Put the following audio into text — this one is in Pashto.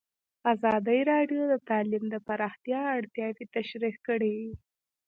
ازادي راډیو د تعلیم د پراختیا اړتیاوې تشریح کړي.